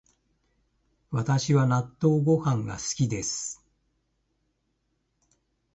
私は納豆ご飯が好きです